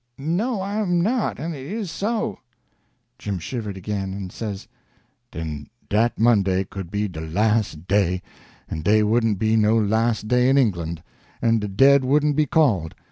_" "No, I'm not, and it is so." Jim shivered again, and says: "Den dat Monday could be de las' day, en dey wouldn't be no las' day in England, en de dead wouldn't be called.